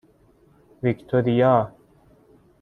ویکتوریا